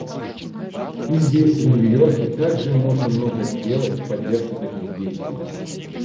И здесь, в Нью-Йорке, также можно многое сделать в поддержку таких действий.